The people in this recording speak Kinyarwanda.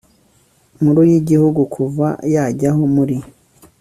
nkuru y'igihugu kuva yajyaho muri